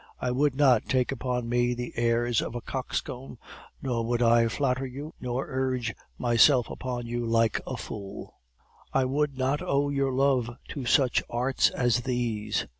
I would not take upon me the airs of a coxcomb, nor would I flatter you, nor urge myself upon you like a fool; I would not owe your love to such arts as these!